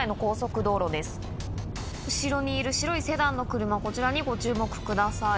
後ろにいる白いセダンの車ご注目ください。